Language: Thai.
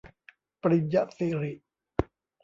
ปริญสิริ